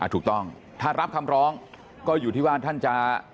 ถูกต้องถ้ารับคำร้องก็อยู่ที่ว่าท่านจะ